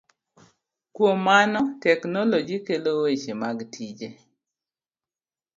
Kuom mano teknoloji kelo weche mag tije.